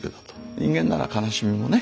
人間なら悲しみもね